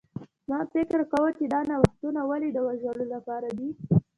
ما فکر کاوه چې دا نوښتونه ولې د وژلو لپاره دي